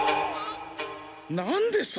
なんですと？